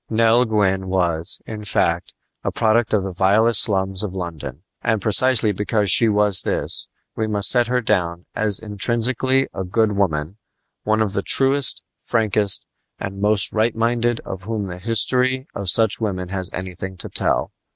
Nell Gwyn was, in fact, a product of the vilest slums of London; and precisely because she was this we must set her down as intrinsically a good woman one of the truest, frankest, and most right minded of whom the history of such women has anything to tell.